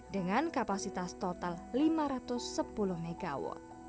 dengan kapasitas total lima ratus sepuluh mw